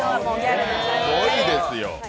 すごいですよ。